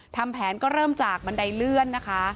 ทำแผนก็เริ่มจากบันไดเลื่อนนะคะ